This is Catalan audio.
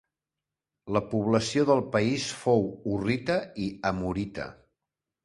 La població del país fou hurrita i amorita.